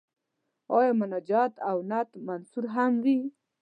آیا مناجات او نعت منثور هم وي.